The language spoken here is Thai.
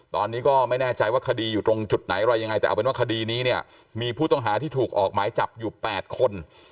ตอนนี้ก็ไม่แน่ใจว่าคดีอยู่ตรงจุดไหนอะไรยังไงแต่เอาเป็นว่าคดีนี้เนี่ยมีผู้ต้องหาที่ถูกออกหมายจับอยู่๘คน